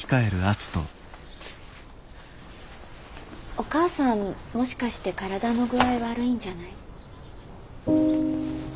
お母さんもしかして体の具合悪いんじゃない？